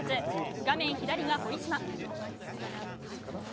画面左が堀島。